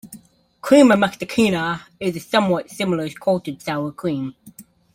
"Crema Mexicana" is a somewhat similar cultured sour cream.